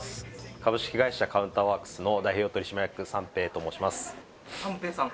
株式会社カウンターワークスの代表取締役三瓶と申します三瓶さん